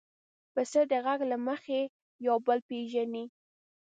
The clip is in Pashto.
پسه د غږ له مخې یو بل پېژني.